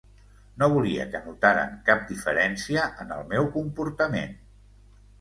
No volia que notaren cap diferència en el meu comportament.